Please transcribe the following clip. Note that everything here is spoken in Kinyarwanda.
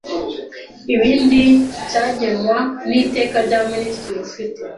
ibindi cyagenwa n iteka rya Minisitiri ufite